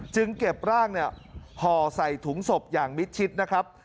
เก็บร่างห่อใส่ถุงศพอย่างมิดชิดนะครับ